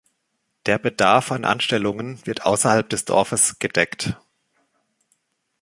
Der Bedarf an Anstellungen wird außerhalb des Dorfes gedeckt.